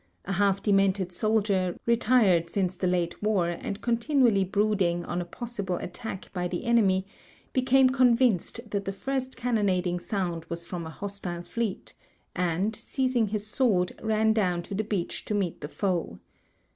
A half demented soldier, retired since the late war and continuall}^ brooding on a possible attack l)v the enemy, became convinced that the first cannonading sound was from a hostile fleet, and, seizing his sword, ran down to the beach to meet the foe.